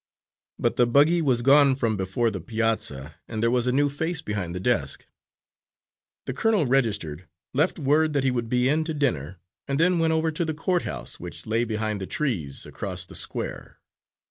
But the buggy was gone from before the piazza, and there was a new face behind the desk. The colonel registered, left word that he would be in to dinner, and then went over to the court house, which lay behind the trees across the square.